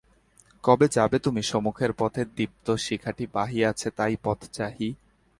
কবে যাবে তুমি সমুখের পথে দীপ্ত শিখাটি বাহি আছি তাই পথ চাহি!